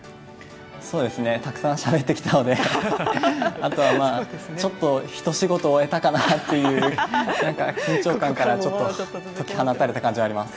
たくさんしゃべってきたのであとは、ちょっと一仕事終えたかなという、なんか緊張感からちょっと解き放された感じがあります。